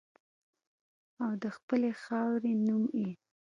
او د خپلې خاورې نوم یې